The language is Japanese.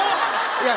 いや。